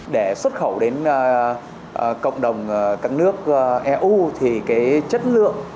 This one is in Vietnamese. để xuất khẩu đến cộng đồng các nước eu thì cái chất lượng